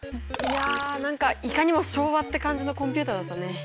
いや何かいかにも昭和って感じのコンピューターだったね！